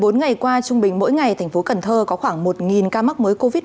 một mươi bốn ngày qua trung bình mỗi ngày tp hcm có khoảng một ca mắc mới covid một mươi chín